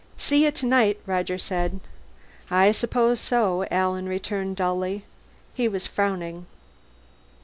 "See you tonight," Roger said. "I suppose so," Alan returned dully. He was frowning.